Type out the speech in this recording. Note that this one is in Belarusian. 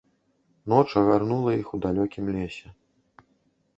Ноч агарнула іх у далёкім лесе.